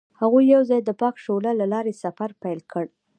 هغوی یوځای د پاک شعله له لارې سفر پیل کړ.